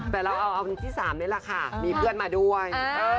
แต่เราเอาอันที่๓นี่แหละค่ะมีเพื่อนมาด้วย